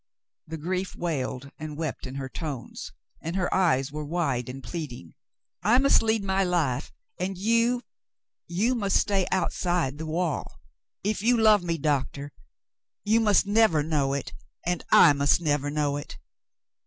The grief wailed and wept in her tones, and her eyes were wide and pleading. "I must lead my life, and you — you must stay outside the wall. If you love me — Doctor, — you must never know it, and I must never know it."